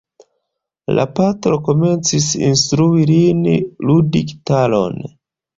La patro komencis instrui lin ludi gitaron.